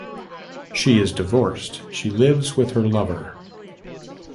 She is divorced : she lives with her lover.